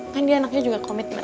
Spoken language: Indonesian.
kan dia anaknya juga komitmen